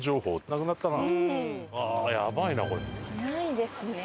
ないですね。